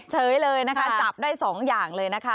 เฉยเลยนะคะจับได้๒อย่างเลยนะคะ